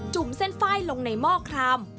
ุ่มเส้นไฟล์ลงในหม้อคราม